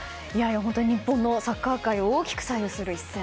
日本のサッカー界を大きく左右する一戦。